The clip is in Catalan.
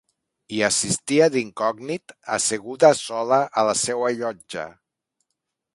Hi assistia d'incògnit, asseguda sola a la seua llotja.